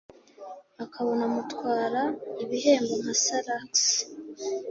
akabona mutwara ibihembo nka Salax